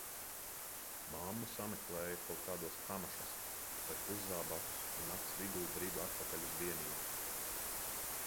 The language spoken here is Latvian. Mammu sameklēja kaut kādos kamašas, vai puszābakus un nakts vidū bridu atpakaļ uz vienību.